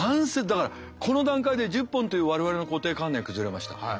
だからこの段階で１０本という我々の固定観念崩れました。